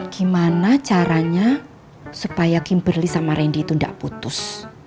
gimana caranya supaya kimberly sama randy itu tidak putus